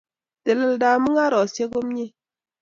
Teleldo ab mung'areshek komie